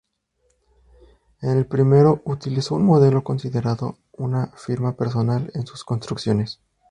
En el primero utilizó un modelo considerado una firma personal en sus construcciones.